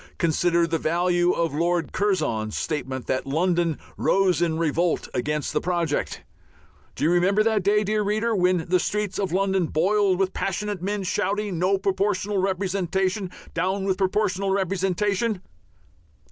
Consider the value of Lord Curzon's statement that London "rose in revolt" against the project. Do you remember that day, dear reader, when the streets of London boiled with passionate men shouting, "No Proportional Representation! Down with Proportional Representation"?